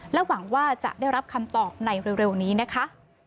หวังว่าจะได้รับคำตอบในเร็วนี้นะคะ